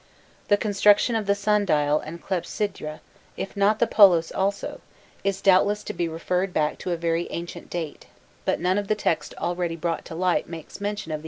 The construction of the sundial and clepsydra, if not of the polos also, is doubtless to be referred back to a very ancient date, but none of the texts already brought to light makes mention of the employment of these instruments.